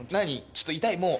ちょっと痛いもう。